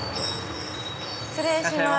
失礼します。